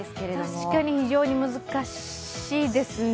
確かに非常に難しいですね。